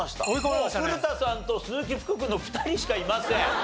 もう古田さんと鈴木福君の２人しかいません。